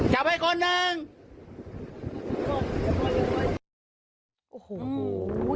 จับไว้คนหนึ่ง